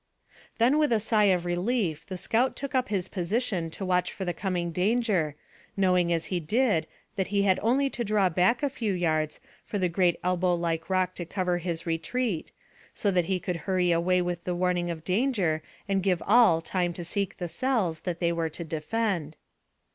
Then with a sigh of relief the scout took up his position to watch for the coming danger, knowing as he did that he had only to draw back a few yards for the great elbow like rock to cover his retreat so that he could hurry away with the warning of danger and give all time to seek the cells that they were to defend.